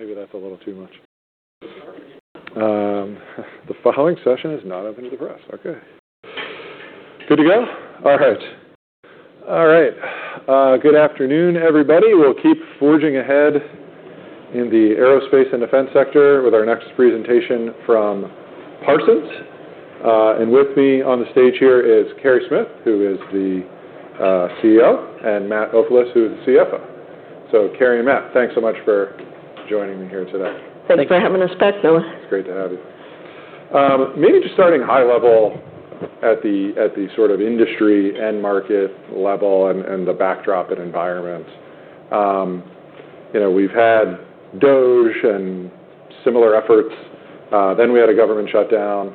Maybe that's a little too much. The following session is not open to the press. Okay. Good to go? All right. All right. Good afternoon, everybody. We'll keep forging ahead in the aerospace and defense sector with our next presentation from Parsons, and with me on the stage here is Carey Smith, who is the CEO, and Matt Ofilos, who is the CFO. So, Carey and Matt, thanks so much for joining me here today. Thanks for having us back, Bill. It's great to have you. Maybe just starting high level at the sort of industry and market level and the backdrop and environment. You know, we've had DOGE and similar efforts. Then we had a government shutdown.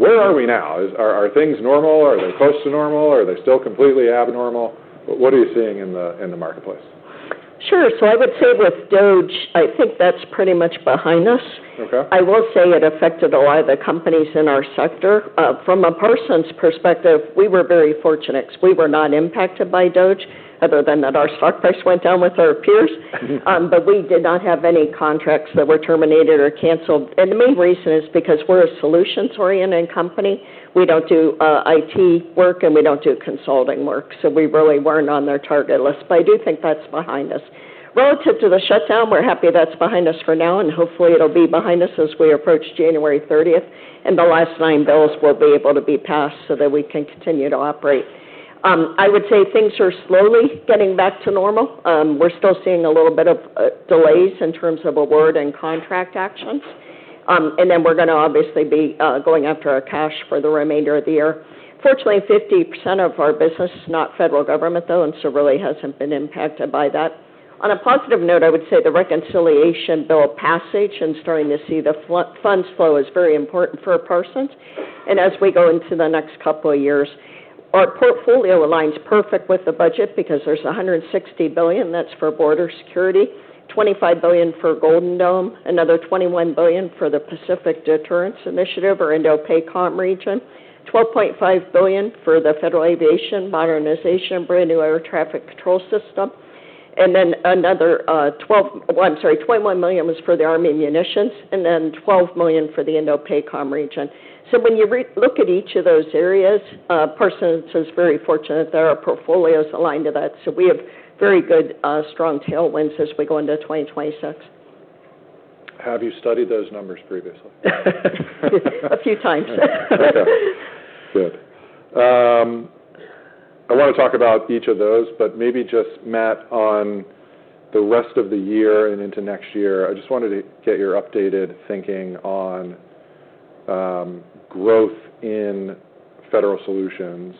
Where are we now? Are things normal? Are they close to normal? Are they still completely abnormal? What are you seeing in the marketplace? Sure, so I would say with DOGE, I think that's pretty much behind us. I will say it affected a lot of the companies in our sector. From a Parsons perspective, we were very fortunate 'cause we were not impacted by DOGE, other than that our stock price went down with our peers. But we did not have any contracts that were terminated or canceled. And the main reason is because we're a solutions-oriented company. We don't do IT work, and we don't do consulting work. So we really weren't on their target list. But I do think that's behind us. Relative to the shutdown, we're happy that's behind us for now, and hopefully it'll be behind us as we approach January 30th. And the last nine bills will be able to be passed so that we can continue to operate. I would say things are slowly getting back to normal. We're still seeing a little bit of delays in terms of award and contract actions. And then we're gonna obviously be going after our cash for the remainder of the year. Fortunately, 50% of our business is not federal government, though, and so really hasn't been impacted by that. On a positive note, I would say the reconciliation bill passage and starting to see the flow of funds is very important for Parsons. And as we go into the next couple of years, our portfolio aligns perfect with the budget because there's $160 billion that's for border security, $25 billion for Golden Dome, another $21 billion for the Pacific Deterrence Initiative, or Indo-Pacom region, $12.5 billion for the Federal Aviation Modernization and brand new Air Traffic Control System, and then another, 12 well, I'm sorry, $21 million was for the Army Munitions, and then $12 million for the Indo-Pacom region. So when you re-look at each of those areas, Parsons is very fortunate that our portfolios align to that. So we have very good, strong tailwinds as we go into 2026. Have you studied those numbers previously? A few times. Okay. Good. I wanna talk about each of those, but maybe just, Matt, on the rest of the year and into next year, I just wanted to get your updated thinking on, growth in federal solutions,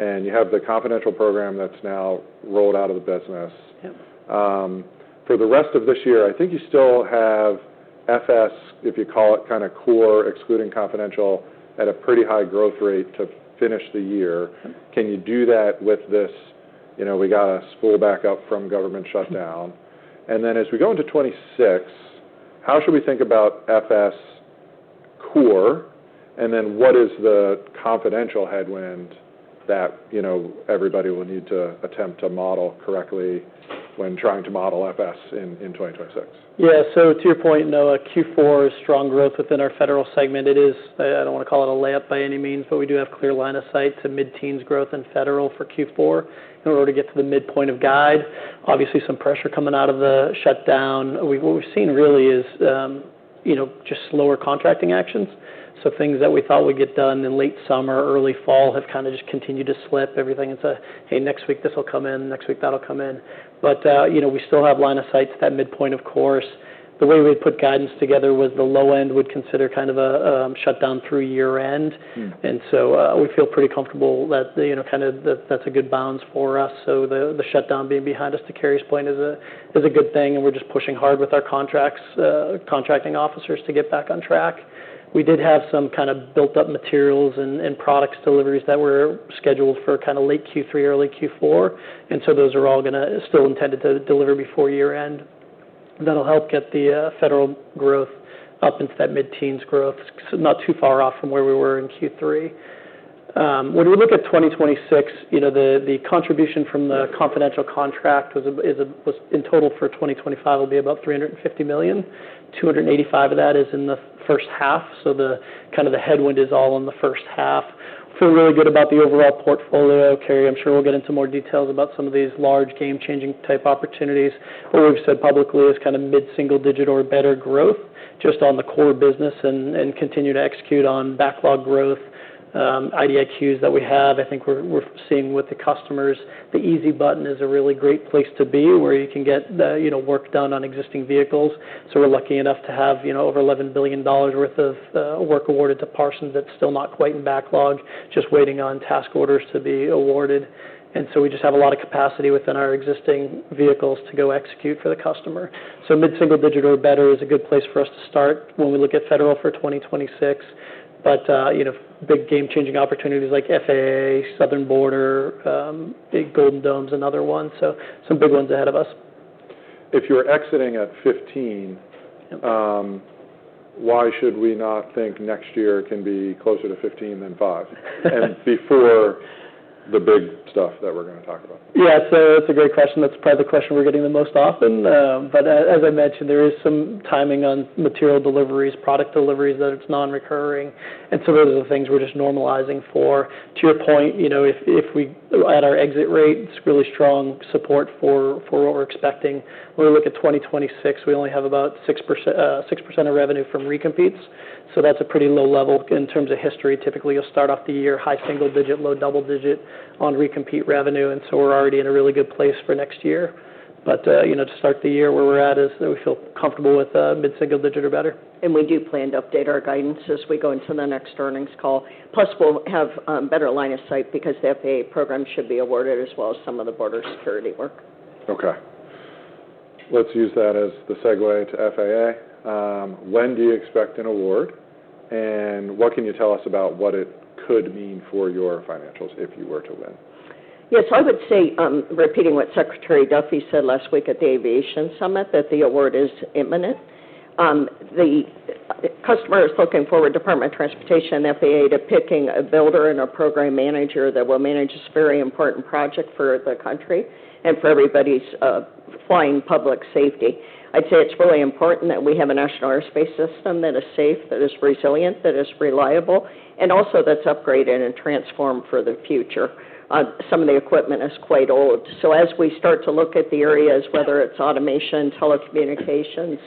and you have the confidential program that's now rolled out of the business. Yeah. For the rest of this year, I think you still have FS, if you call it kinda core, excluding confidential, at a pretty high growth rate to finish the year. Can you do that with this, you know, we gotta spool back up from government shutdown? And then as we go into 2026, how should we think about FS core, and then what is the confidential headwind that, you know, everybody will need to attempt to model correctly when trying to model FS in 2026? Yeah. So to your point, Noah, Q4 is strong growth within our federal segment. It is. I don't wanna call it a slam dunk by any means, but we do have clear line of sight to mid-teens growth in federal for Q4 in order to get to the midpoint of guide. Obviously, some pressure coming out of the shutdown. What we've seen really is, you know, just slower contracting actions. So things that we thought would get done in late summer, early fall have kinda just continued to slip. Everything's a, "Hey, next week this'll come in. Next week that'll come in." But, you know, we still have line of sight to that midpoint, of course. The way we put guidance together was the low end would consider kind of a shutdown through year-end.. And so, we feel pretty comfortable that, you know, kinda that that's a good balance for us. So the shutdown being behind us, to Carey's point, is a good thing, and we're just pushing hard with our contracts, contracting officers to get back on track. We did have some kinda built-up materials and products deliveries that were scheduled for kinda late Q3, early Q4. And so those are all gonna still intended to deliver before year-end. That'll help get the federal growth up into that mid-teens growth, so not too far off from where we were in Q3. When we look at 2026, you know, the contribution from the confidential contract was in total for 2025 will be about $350 million. $285 million of that is in the first half. So kinda the headwind is all in the first half. feel really good about the overall portfolio. Carey, I'm sure we'll get into more details about some of these large game-changing type opportunities. What we've said publicly is kinda mid-single digit or better growth just on the core business and continue to execute on backlog growth. IDIQs that we have, I think we're seeing with the customers, the easy button is a really great place to be where you can get, you know, work done on existing vehicles. So we're lucky enough to have, you know, over $11 billion worth of work awarded to Parsons that's still not quite in backlog, just waiting on task orders to be awarded. And so we just have a lot of capacity within our existing vehicles to go execute for the customer. So mid-single digit or better is a good place for us to start when we look at federal for 2026. But, you know, big game-changing opportunities like FAA, Southern Border, big Golden Dome, another one. So some big ones ahead of us. If you're exiting at 15 why should we not think next year can be closer to 15 than five and before the big stuff that we're gonna talk about? Yeah. That's a great question. That's probably the question we're getting the most often. But as I mentioned, there is some timing on material deliveries, product deliveries that it's non-recurring. And so those are the things we're just normalizing for. To your point, you know, if we at our exit rate, it's really strong support for what we're expecting. When we look at 2026, we only have about 6%, 6% of revenue from recompetes. So that's a pretty low level in terms of history. Typically, you'll start off the year high single digit, low double digit on recompete revenue. And so we're already in a really good place for next year. You know, to start the year where we're at is that we feel comfortable with mid-single digit or better. We do plan to update our guidance as we go into the next earnings call. Plus, we'll have better line of sight because the FAA program should be awarded as well as some of the border security work. Okay. Let's use that as the segue to FAA. When do you expect an award? And what can you tell us about what it could mean for your financials if you were to win? Yeah. So I would say, repeating what Secretary Duffy said last week at the Aviation Summit, that the award is imminent. The customer is looking forward to Department of Transportation and FAA to picking a builder and a program manager that will manage this very important project for the country and for everybody's flying public safety. I'd say it's really important that we have a national airspace system that is safe, that is resilient, that is reliable, and also that's upgraded and transformed for the future. Some of the equipment is quite old. So as we start to look at the areas, whether it's automation, telecommunications,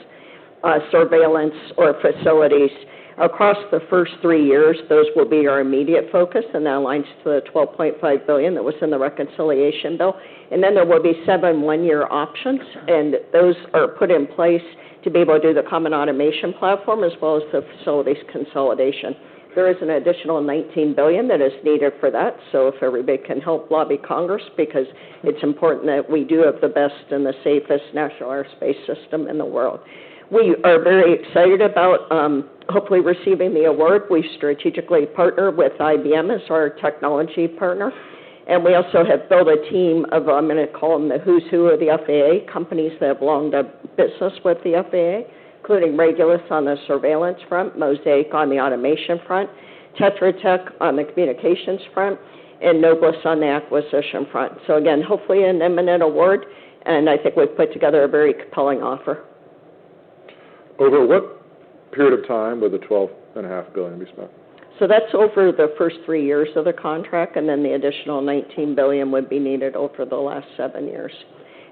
surveillance, or facilities, across the first three years, those will be our immediate focus. And that aligns to the $12.5 billion that was in the reconciliation bill. And then there will be seven one-year options. And those are put in place to be able to do the common automation platform as well as the facilities consolidation. There is an additional $19 billion that is needed for that. So if everybody can help lobby Congress because it's important that we do have the best and the safest national airspace system in the world. We are very excited about, hopefully receiving the award. We strategically partner with IBM as our technology partner. And we also have built a team of, I'm gonna call them the who's who of the FAA companies that have long done business with the FAA, including Regulus on the surveillance front, Mosaic on the automation front, Tetra Tech on the communications front, and Noblis on the acquisition front. So again, hopefully an imminent award. And I think we've put together a very compelling offer. Over what period of time would the $12.5 billion be spent? That's over the first three years of the contract, and then the additional $19 billion would be needed over the last seven years.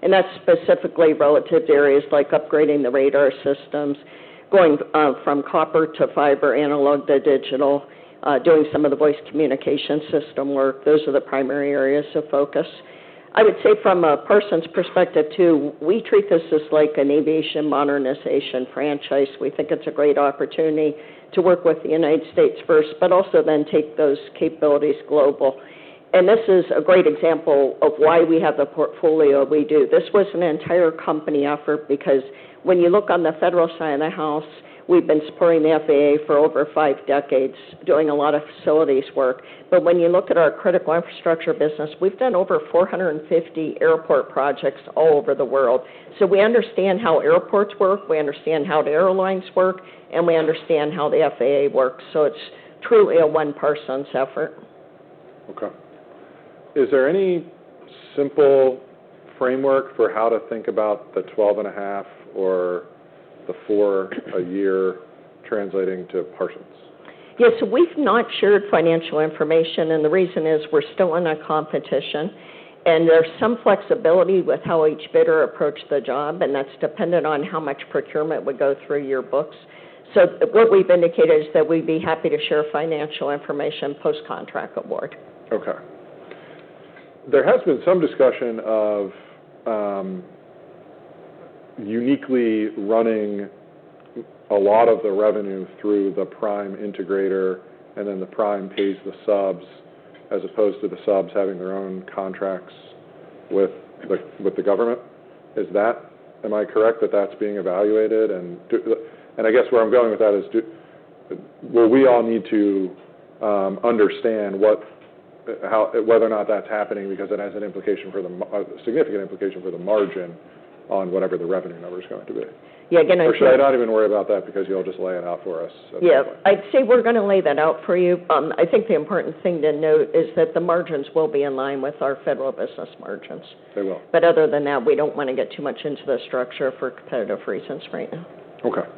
And that's specifically relative to areas like upgrading the radar systems, going from copper to fiber, analog to digital, doing some of the voice communication system work. Those are the primary areas of focus. I would say from a Parsons perspective too, we treat this as like an aviation modernization franchise. We think it's a great opportunity to work with the United States first, but also then take those capabilities global. And this is a great example of why we have the portfolio we do. This was an entire company effort because when you look on the federal side of the house, we've been supporting the FAA for over five decades, doing a lot of facilities work. But when you look at our critical infrastructure business, we've done over 450 airport projects all over the world. So we understand how airports work. We understand how the airlines work, and we understand how the FAA works. So it's truly a one-Parsons effort. Okay. Is there any simple framework for how to think about the 12 and a half or the four a year translating to Parsons? Yeah. So we've not shared financial information. And the reason is we're still in a competition. And there's some flexibility with how each bidder approached the job, and that's dependent on how much procurement would go through your books. So what we've indicated is that we'd be happy to share financial information post-contract award. Okay. There has been some discussion of uniquely running a lot of the revenue through the prime integrator, and then the prime pays the subs as opposed to the subs having their own contracts with the government. Is that, am I correct, that that's being evaluated? And, I guess where I'm going with that is, will we all need to understand what, how, whether or not that's happening because it has a significant implication for the margin on whatever the revenue number's going to be? Yeah. Again, I think. Or should I not even worry about that because you'll just lay it out for us? Yeah. I'd say we're gonna lay that out for you. I think the important thing to note is that the margins will be in line with our federal business margins. They will. But other than that, we don't wanna get too much into the structure for competitive reasons right now. Okay.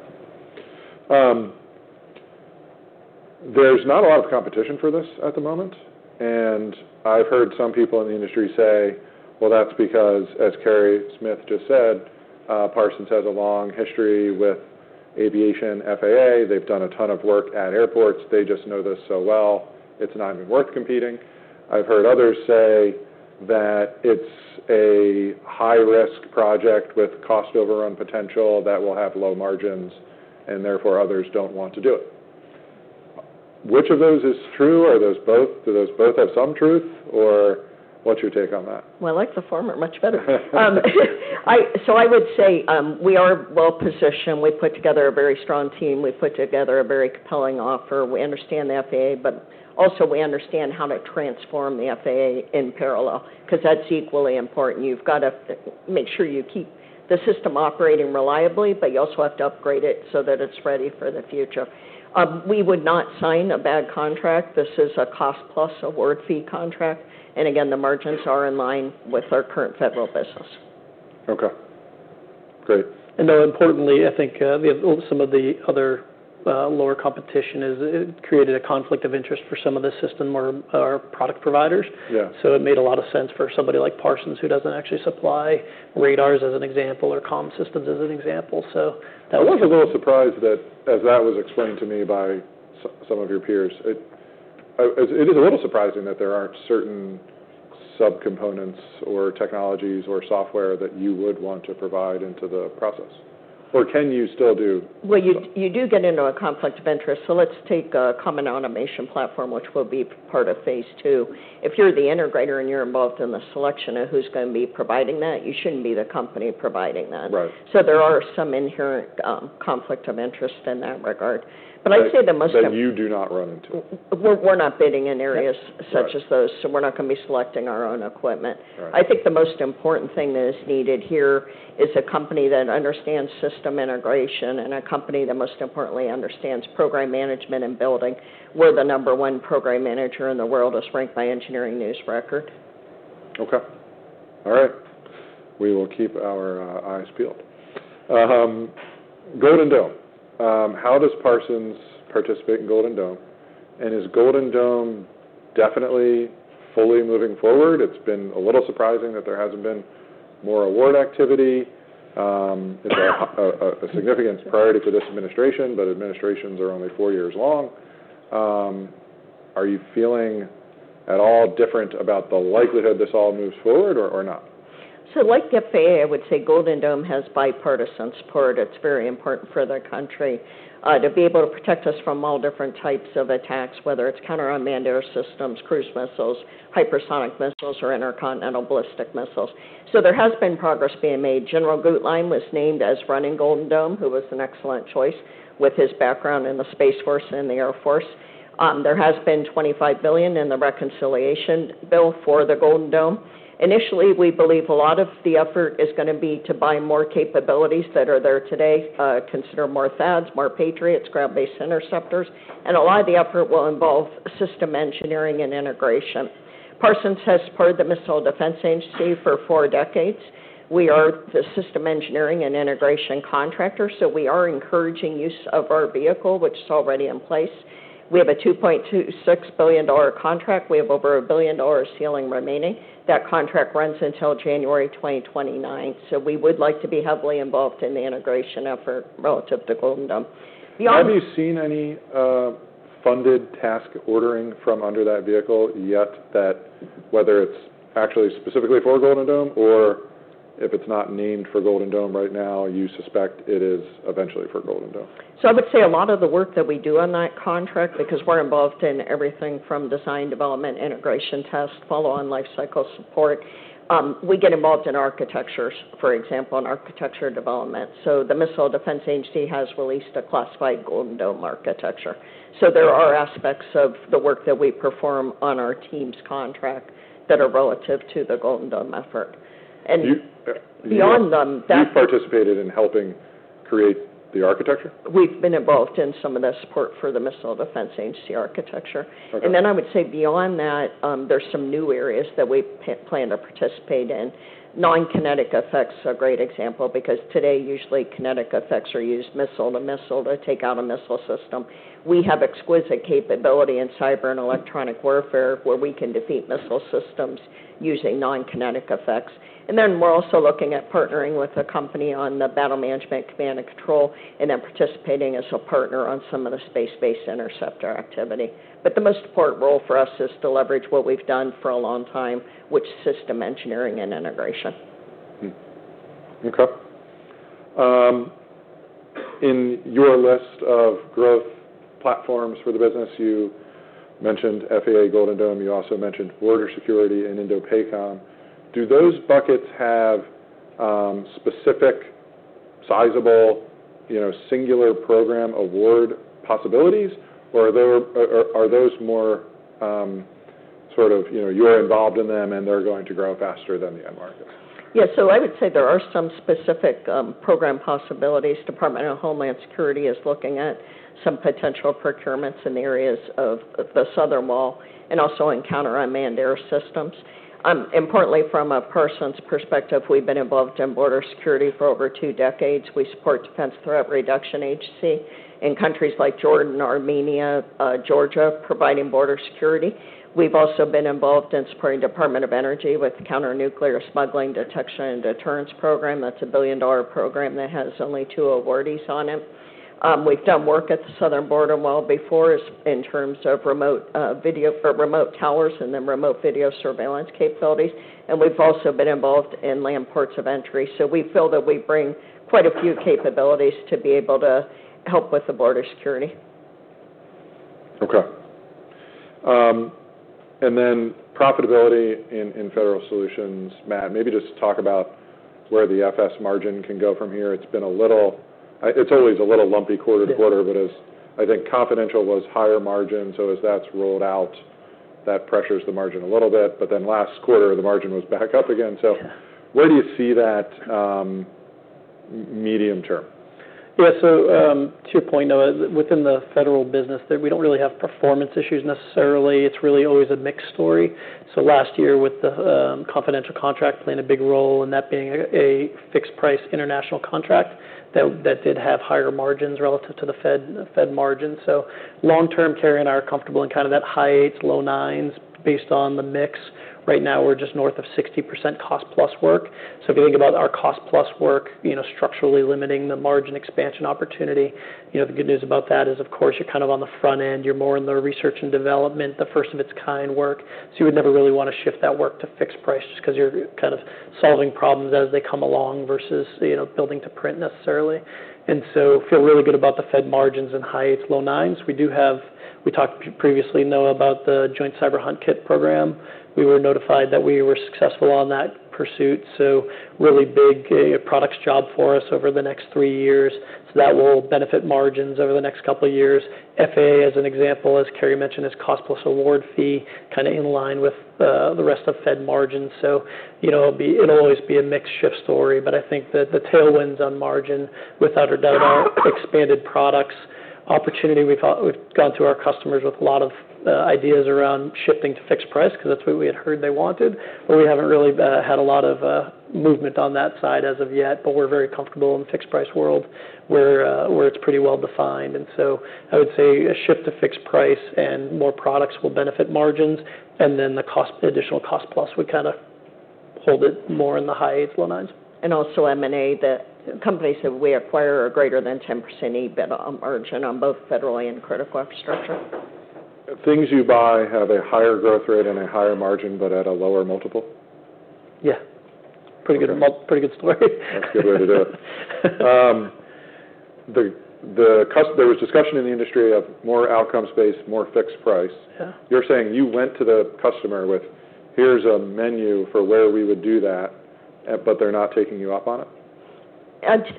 There's not a lot of competition for this at the moment. And I've heard some people in the industry say, "Well, that's because, as Carey Smith just said, Parsons has a long history with aviation FAA. They've done a ton of work at airports. They just know this so well. It's not even worth competing." I've heard others say that it's a high-risk project with cost overrun potential that will have low margins, and therefore others don't want to do it. Which of those is true? Are those both? Do those both have some truth, or what's your take on that? I like the former much better. I so I would say, we are well-positioned. We've put together a very strong team. We've put together a very compelling offer. We understand the FAA, but also we understand how to transform the FAA in parallel 'cause that's equally important. You've gotta make sure you keep the system operating reliably, but you also have to upgrade it so that it's ready for the future. We would not sign a bad contract. This is a cost-plus award fee contract. And again, the margins are in line with our current federal business. Okay. Great. And though importantly, I think, some of the other lower competition has created a conflict of interest for some of the system or product providers. So it made a lot of sense for somebody like Parsons who doesn't actually supply radars as an example or comm systems as an example. So that was. I was a little surprised that as that was explained to me by some of your peers, it is a little surprising that there aren't certain subcomponents or technologies or software that you would want to provide into the process? Or can you still do? You do get into a conflict of interest. So let's take a common automation platform, which will be part of phase two. If you're the integrator and you're involved in the selection of who's gonna be providing that, you shouldn't be the company providing that. So there are some inherent conflict of interest in that regard. But I'd say the most. That you do not run into. We're not bidding in areas such as those. So we're not gonna be selecting our own equipment. I think the most important thing that is needed here is a company that understands system integration and a company that most importantly understands program management and building. We're the number one program manager in the world as ranked by Engineering News-Record. Okay. All right. We will keep our eyes peeled. Golden Dome. How does Parsons participate in Golden Dome? And is Golden Dome definitely fully moving forward? It's been a little surprising that there hasn't been more award activity. Is there a significant priority for this administration? But administrations are only four years long. Are you feeling at all different about the likelihood this all moves forward or not? So like FAA, I would say Golden Dome has bipartisan support. It's very important for the country, to be able to protect us from all different types of attacks, whether it's counter-unmanned air systems, cruise missiles, hypersonic missiles, or intercontinental ballistic missiles. So there has been progress being made. General Guetlein was named as running Golden Dome, who was an excellent choice with his background in the Space Force and the Air Force. There has been $25 billion in the reconciliation bill for the Golden Dome. Initially, we believe a lot of the effort is gonna be to buy more capabilities that are there today, consider more THAADs, more Patriots, ground-based interceptors. And a lot of the effort will involve system engineering and integration. Parsons has supported the Missile Defense Agency for four decades. We are the system engineering and integration contractor. We are encouraging use of our vehicle, which is already in place. We have a $2.26 billion contract. We have over a billion-dollar ceiling remaining. That contract runs until January 2029. We would like to be heavily involved in the integration effort relative to Golden Dome. Beyond. Have you seen any funded task ordering from under that vehicle yet that whether it's actually specifically for Golden Dome or if it's not named for Golden Dome right now, you suspect it is eventually for Golden Dome? I would say a lot of the work that we do on that contract, because we're involved in everything from design, development, integration tests, follow-on life cycle support, we get involved in architectures, for example, in architecture development. The Missile Defense Agency has released a classified Golden Dome architecture. There are aspects of the work that we perform on our team's contract that are relative to the Golden Dome effort. Beyond them, that. You've participated in helping create the architecture? We've been involved in some of the support for the Missile Defense Agency architecture. And then I would say beyond that, there's some new areas that we plan to participate in. Non-kinetic effects are a great example because today, usually kinetic effects are used missile to missile to take out a missile system. We have exquisite capability in cyber and electronic warfare where we can defeat missile systems using non-kinetic effects. And then we're also looking at partnering with a company on the Battle Management Command and Control and then participating as a partner on some of the space-based interceptor activity. But the most important role for us is to leverage what we've done for a long time, which is system engineering and integration. Okay. In your list of growth platforms for the business, you mentioned FAA, Golden Dome. You also mentioned border security and IndoPACOM. Do those buckets have specific, sizable, you know, singular program award possibilities, or are those more, sort of, you know, you're involved in them and they're going to grow faster than the end market? Yeah. So I would say there are some specific program possibilities. Department of Homeland Security is looking at some potential procurements in the areas of the southern wall and also in counter unmanned air systems. Importantly, from a Parsons perspective, we've been involved in border security for over two decades. We support Defense Threat Reduction Agency in countries like Jordan, Armenia, Georgia, providing border security. We've also been involved in supporting Department of Energy with counter nuclear smuggling detection and deterrence program. That's a $1 billion program that has only two awardees on it. We've done work at the southern border well before as in terms of remote video or remote towers and then remote video surveillance capabilities. And we've also been involved in land ports of entry. So we feel that we bring quite a few capabilities to be able to help with the border security. Okay, and then profitability in federal solutions, Matt, maybe just talk about where the FS margin can go from here. It's been a little; it's always a little lumpy quarter to quarter, but as I think confidential was higher margin. So as that's rolled out, that pressures the margin a little bit. But then last quarter, the margin was back up again. So where do you see that, medium term? Yeah. So, to your point, within the federal business, that we don't really have performance issues necessarily. It's really always a mixed story. So last year with the confidential contract playing a big role and that being a fixed-price international contract that did have higher margins relative to the Fed, Fed margin. So long-term, Carey and I are comfortable in kind of that high eights, low nines based on the mix. Right now, we're just north of 60% cost-plus work. So if you think about our cost-plus work, you know, structurally limiting the margin expansion opportunity, you know, the good news about that is, of course, you're kind of on the front end. You're more in the research and development, the first-of-its-kind work. So you would never really wanna shift that work to fixed price just 'cause you're kind of solving problems as they come along versus, you know, building to print necessarily. And so feel really good about the Fed margins and high eights, low nines. We talked previously, Noah, about the Joint Cyber Hunt Kit program. We were notified that we were successful on that pursuit. So really big, products job for us over the next three years. So that will benefit margins over the next couple of years. FAA, as an example, as Carey mentioned, is cost-plus award fee kinda in line with, the rest of Fed margins. So, you know, it'll always be a mixed shift story. But I think that the tailwinds on margin, without a doubt, are expanded products opportunity. We've gone through our customers with a lot of ideas around shifting to fixed-price 'cause that's what we had heard they wanted. But we haven't really had a lot of movement on that side as of yet. But we're very comfortable in the fixed-price world where it's pretty well-defined. And so I would say a shift to fixed-price and more products will benefit margins. And then the additional cost-plus, we kinda hold it more in the high eights, low nines. And also M&A that companies that we acquire are greater than 10% EBITDA margin on both federal and critical infrastructure. Things you buy have a higher growth rate and a higher margin, but at a lower multiple? Yeah. Pretty good, pretty good story. That's a good way to do it. The C-UAS, there was discussion in the industry of more outcome space, more fixed-price. Yeah. You're saying you went to the customer with, "Here's a menu for where we would do that," but they're not taking you up on it?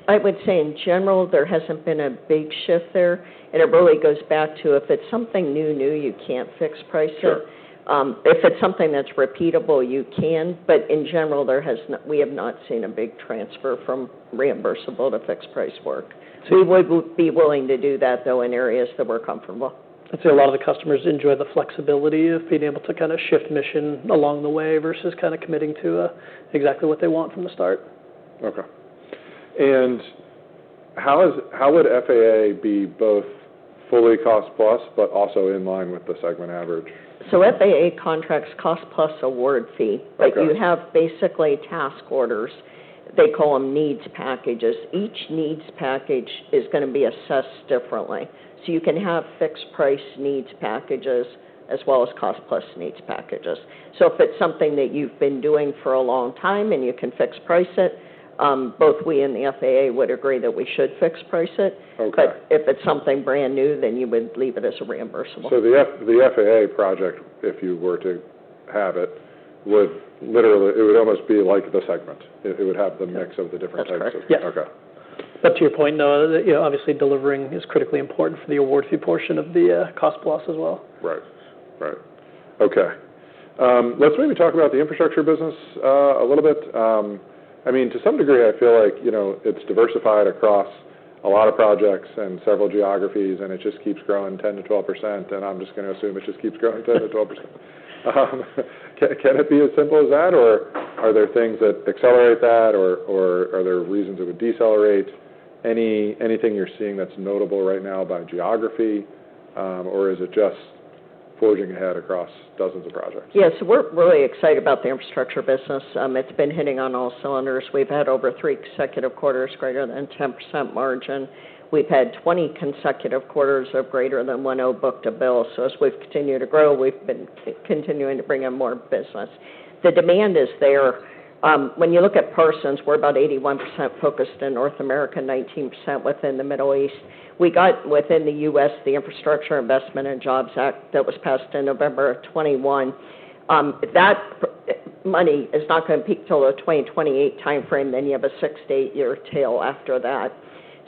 I would say in general, there hasn't been a big shift there, and it really goes back to if it's something new, you can't fixed-price work. Sure. If it's something that's repeatable, you can. But in general, there hasn't. We have not seen a big transfer from reimbursable to fixed-price work. So we would be willing to do that, though, in areas that we're comfortable. I'd say a lot of the customers enjoy the flexibility of being able to kinda shift mission along the way versus kinda committing to, exactly what they want from the start. Okay. And how would FAA be both fully cost-plus but also in line with the segment average? FAA contracts cost-plus award fee. But you have basically task orders. They call them needs packages. Each needs package is gonna be assessed differently. So you can have fixed-price needs packages as well as cost-plus needs packages. So if it's something that you've been doing for a long time and you can fixed price it, both we and the FAA would agree that we should fixed price it. But if it's something brand new, then you would leave it as a reimbursable. The FAA project, if you were to have it, would literally almost be like the segment. It would have the mix of the different types of. Right.But to your point, Noah, that, you know, obviously delivering is critically important for the award fee portion of the cost-plus as well. Right. Right. Okay. Let's maybe talk about the infrastructure business, a little bit. I mean, to some degree, I feel like, you know, it's diversified across a lot of projects and several geographies, and it just keeps growing 10%-12%. And I'm just gonna assume it just keeps growing 10%-12%. Can it be as simple as that, or are there things that accelerate that, or are there reasons it would decelerate? Anything you're seeing that's notable right now by geography, or is it just forging ahead across dozens of projects? Yeah. So we're really excited about the infrastructure business. It's been hitting on all cylinders. We've had over three consecutive quarters greater than 10% margin. We've had 20 consecutive quarters of greater than 1.0 book-to-bill. So as we've continued to grow, we've been continuing to bring in more business. The demand is there. When you look at Parsons, we're about 81% focused in North America, 19% within the Middle East. We got within the US the Infrastructure Investment and Jobs Act that was passed in November of 2021. That money is not gonna peak till the 2028 timeframe. Then you have a six- to eight-year tail after that.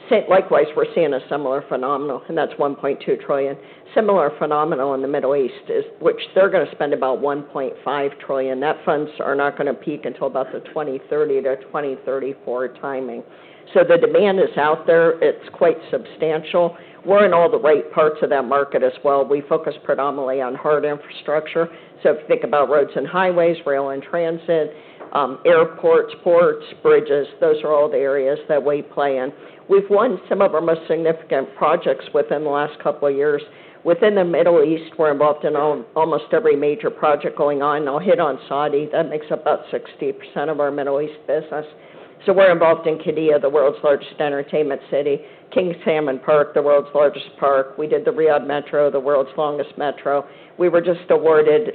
So likewise, we're seeing a similar phenomenon, and that's $1.2 trillion. Similar phenomenon in the Middle East, which they're gonna spend about $1.5 trillion. Those funds are not gonna peak until about the 2030 to 2034 timing. So the demand is out there. It's quite substantial. We're in all the right parts of that market as well. We focus predominantly on hard infrastructure. So if you think about roads and highways, rail and transit, airports, ports, bridges, those are all the areas that we play in. We've won some of our most significant projects within the last couple of years. Within the Middle East, we're involved in almost every major project going on. I'll hit on Saudi. That makes up about 60% of our Middle East business. So we're involved in Qiddiya, the world's largest entertainment city. King Salman Park, the world's largest park. We did the Riyadh Metro, the world's longest metro. We were just awarded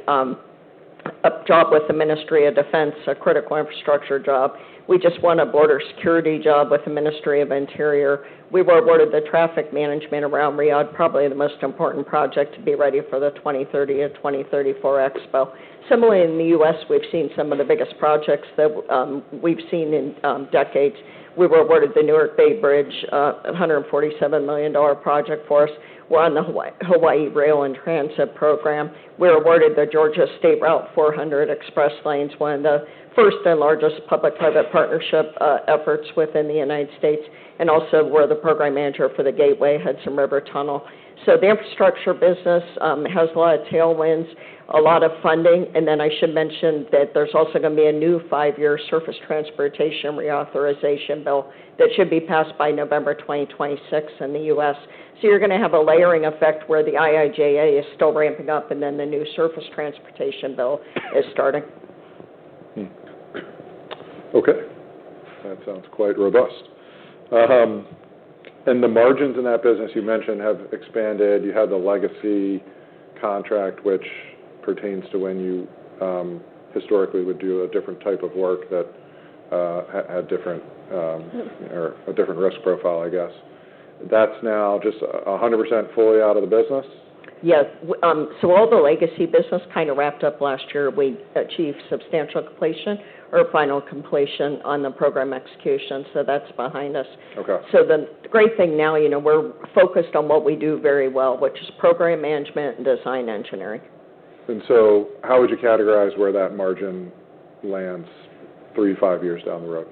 a job with the Ministry of Defense, a critical infrastructure job. We just won a border security job with the Ministry of Interior. We were awarded the traffic management around Riyadh, probably the most important project to be ready for the 2030 to 2034 Expo. Similarly, in the U.S., we've seen some of the biggest projects that we've seen in decades. We were awarded the Newark Bay Bridge, $147 million project for us. We're on the Hawaii Rail and Transit Program. We were awarded the Georgia State Route 400 Express Lanes, one of the first and largest public-private partnership efforts within the United States. And also, we're the program manager for the Gateway Hudson River Tunnel. So the infrastructure business has a lot of tailwinds, a lot of funding. And then I should mention that there's also gonna be a new five-year surface transportation reauthorization bill that should be passed by November 2026 in the U.S. So you're gonna have a layering effect where the IIJA is still ramping up, and then the new surface transportation bill is starting. Okay. That sounds quite robust. And the margins in that business you mentioned have expanded. You had the legacy contract, which pertains to when you, historically would do a different type of work that had different, or a different risk profile, I guess. That's now just 100% fully out of the business? Yes. So all the legacy business kinda wrapped up last year. We achieved substantial completion or final completion on the program execution. So that's behind us. The great thing now, you know, we're focused on what we do very well, which is program management and design engineering. How would you categorize where that margin lands three, five years down the road?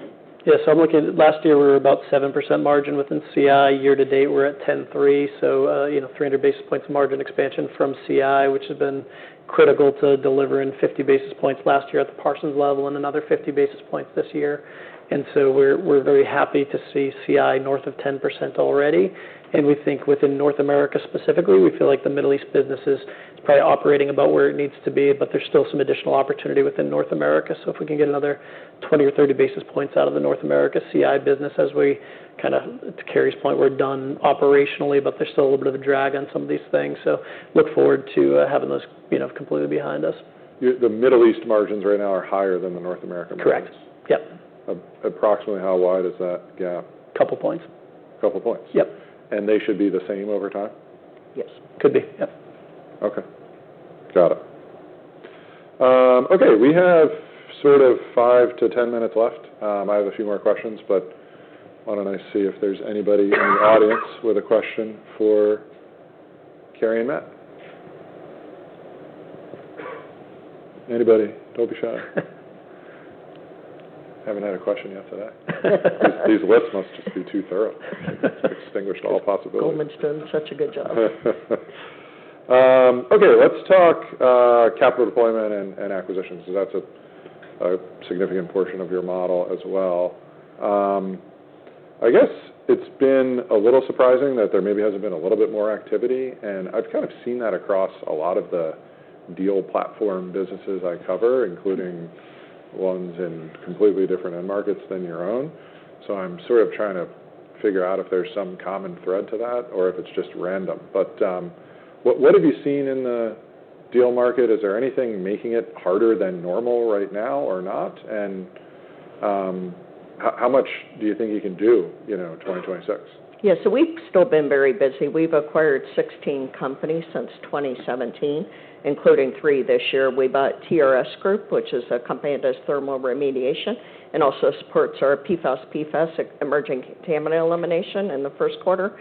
Yeah. So I'm looking at last year, we were about 7% margin within CI. Year to date, we're at 10.3%. So, you know, 300 basis points margin expansion from CI, which has been critical to delivering 50 basis points last year at the Parsons level and another 50 basis points this year. And so we're very happy to see CI north of 10% already. And we think within North America specifically, we feel like the Middle East business is probably operating about where it needs to be, but there's still some additional opportunity within North America. So if we can get another 20 or 30 basis points out of the North America CI business as we kinda to Carey's point, we're done operationally, but there's still a little bit of a drag on some of these things. So look forward to having those, you know, completely behind us. The Middle East margins right now are higher than the North America margins. Correct. Yep. Approximately how wide is that gap? Couple points. Couple points. Yep. They should be the same over time? Yes. Could be. Yep. Okay. Got it. Okay. We have sort of 5-10 minutes left. I have a few more questions, but why don't I see if there's anybody in the audience with a question for Carey and Matt? Anybody? Don't be shy. Haven't had a question yet today. These, these lists must just be too thorough. Extinguished all possibilities. Goldman Sachs. Such a good job. Okay. Let's talk capital deployment and acquisitions. So that's a significant portion of your model as well. I guess it's been a little surprising that there maybe hasn't been a little bit more activity. And I've kind of seen that across a lot of the deal platform businesses I cover, including ones in completely different end markets than your own. So I'm sort of trying to figure out if there's some common thread to that or if it's just random. But what have you seen in the deal market? Is there anything making it harder than normal right now or not? And how much do you think you can do, you know, 2026? Yeah. So we've still been very busy. We've acquired 16 companies since 2017, including three this year. We bought TRS Group, which is a company that does thermal remediation and also supports our PFAS emerging contaminant elimination in the first quarter.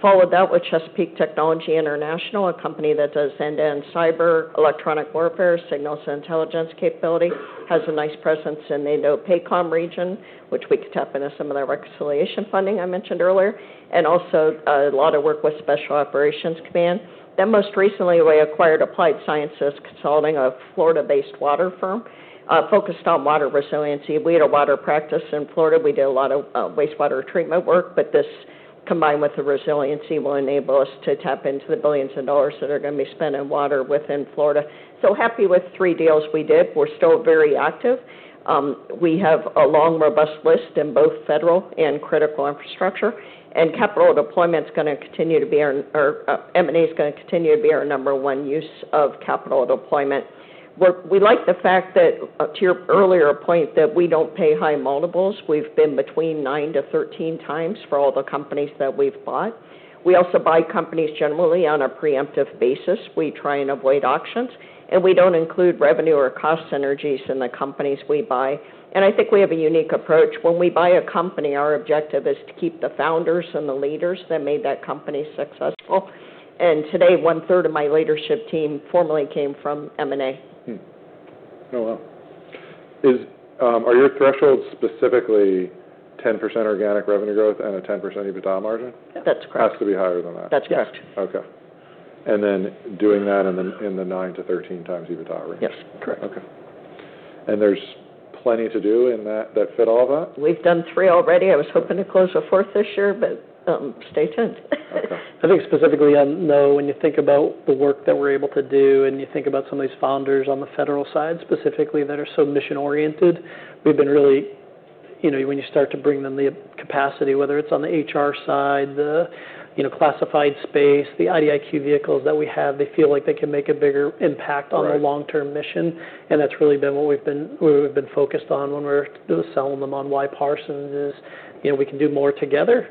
Followed that with Chesapeake Technology International, a company that does end-to-end cyber, electronic warfare, signals and intelligence capability. Has a nice presence in the Indo-Pacom region, which we could tap into some of that reconciliation funding I mentioned earlier. And also, a lot of work with Special Operations Command. Then most recently, we acquired Applied Sciences Consulting, a Florida-based water firm focused on water resiliency. We had a water practice in Florida. We did a lot of wastewater treatment work. But this combined with the resiliency will enable us to tap into the billions of dollars that are gonna be spent on water within Florida. so happy with three deals we did. We're still very active. We have a long, robust list in both federal and critical infrastructure. Capital deployment's gonna continue to be our M&A's gonna continue to be our number one use of capital deployment. We like the fact that, to your earlier point, that we don't pay high multiples. We've been between nine to 13 times for all the companies that we've bought. We also buy companies generally on a preemptive basis. We try and avoid auctions. We don't include revenue or cost synergies in the companies we buy. I think we have a unique approach. When we buy a company, our objective is to keep the founders and the leaders that made that company successful. Today, one-third of my leadership team formerly came from M&A. Oh, wow. Are your thresholds specifically 10% organic revenue growth and a 10% EBITDA margin? That's correct. Has to be higher than that. That's correct. Okay. And then doing that in the 9-13 times EBITDA range? Yes. Correct. Okay. And there's plenty to do in that fit all of that? We've done three already. I was hoping to close a fourth this year, but stay tuned. Okay. I think specifically on, you know, when you think about the work that we're able to do and you think about some of these founders on the federal side specifically that are so mission-oriented, we've been really, you know, when you start to bring them the capacity, whether it's on the HR side, the, you know, classified space, the IDIQ vehicles that we have, they feel like they can make a bigger impact on the long-term mission. And that's really been what we've been focused on when we're selling them on why Parsons is, you know, we can do more together.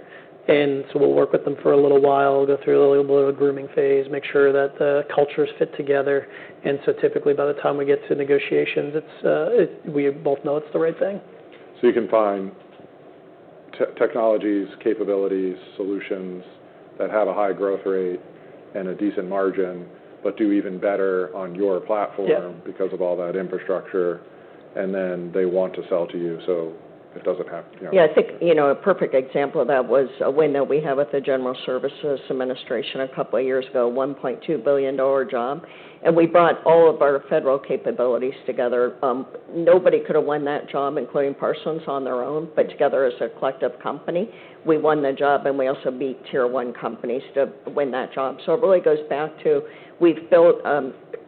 And so we'll work with them for a little while, go through a little bit of a grooming phase, make sure that the cultures fit together. And so typically, by the time we get to negotiations, it's, we both know it's the right thing. So you can find technologies, capabilities, solutions that have a high growth rate and a decent margin but do even better on your platform. Yeah. Because of all that infrastructure. And then they want to sell to you, so it doesn't happen. Yeah. I think, you know, a perfect example of that was a win that we had with the General Services Administration a couple of years ago, a $1.2 billion job. And we brought all of our federal capabilities together. Nobody could have won that job, including Parsons, on their own. But together as a collective company, we won the job, and we also beat tier one companies to win that job. So it really goes back to we've built,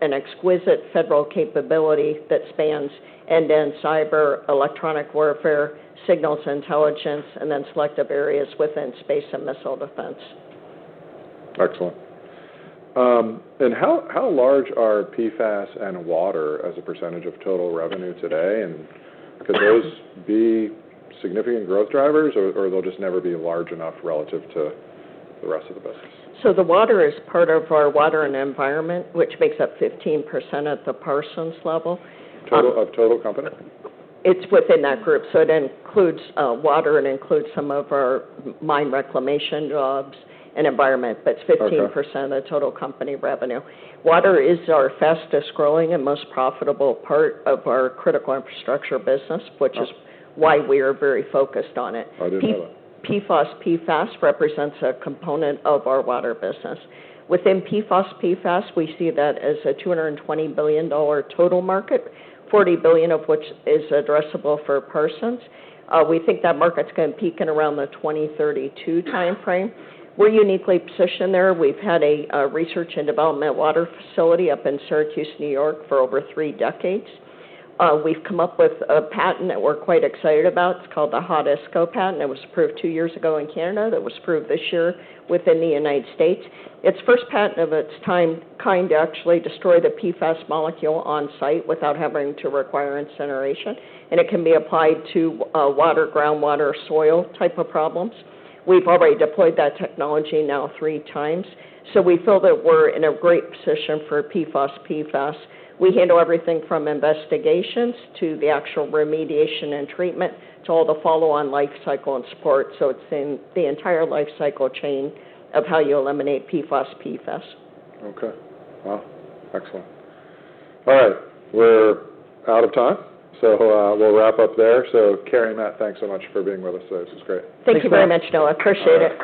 an exquisite federal capability that spans end-to-end cyber, electronic warfare, signals intelligence, and then selective areas within space and missile defense. Excellent. And how large are PFAS and water as a percentage of total revenue today? And could those be significant growth drivers, or they'll just never be large enough relative to the rest of the business? The water is part of our water and environment, which makes up 15% at the Parsons level. Total of total company? It's within that group. So it includes water and some of our mine reclamation jobs and environment. But it's 15% of total company revenue. Water is our fastest growing and most profitable part of our critical infrastructure business, which is why we are very focused on it. I didn't know that. PFAS represents a component of our water business. Within PFAS, we see that as a $220 billion total market, $40 billion of which is addressable for Parsons. We think that market's gonna peak in around the 2032 timeframe. We're uniquely positioned there. We've had a research and development water facility up in Syracuse, New York, for over three decades. We've come up with a patent that we're quite excited about. It's called the Hot ISCO patent. It was approved two years ago in Canada. It was approved this year within the United States. It's first patent of its time, kind of actually destroy the PFAS molecule on site without having to require incineration. And it can be applied to water, groundwater, soil type of problems. We've already deployed that technology now three times. So we feel that we're in a great position for PFAS. We handle everything from investigations to the actual remediation and treatment to all the follow-on life cycle and support, so it's in the entire life cycle chain of how you eliminate PFAS. Okay. Wow. Excellent. All right. We're out of time. So, we'll wrap up there. So Carey and Matt, thanks so much for being with us today. This was great. Thank you very much, Noah. Appreciate it.